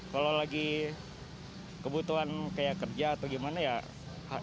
kalau lagi kebutuhan kayak kerja atau gimana ya